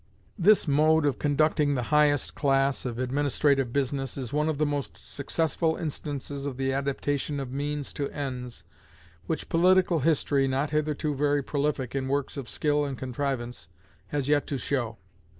This mode of conducting the highest class of administrative business is one of the most successful instances of the adaptation of means to ends which political history, not hitherto very prolific in works of skill and contrivance, has yet to show.